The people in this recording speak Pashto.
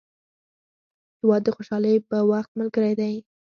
هېواد د خوشحالۍ په وخت ملګری دی.